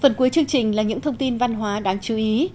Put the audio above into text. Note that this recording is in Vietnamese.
phần cuối chương trình là những thông tin văn hóa đáng chú ý